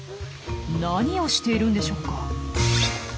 何をしているんでしょうか？